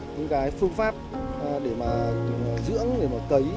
những cái phương pháp để mà dưỡng để mà cấy